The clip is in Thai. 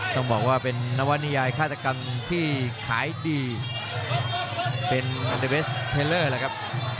ต้องบอกว่าเป็นนวนิยายฆาตกรรมที่ขายดีเป็นอันเดเวสเทลเลอร์เลยครับ